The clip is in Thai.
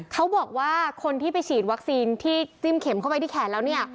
เขาบอกว่าคนที่ไปฉีดวัคซีนที่จิ้มเข็มเข้าไปที่แขนแล้วเนี่ย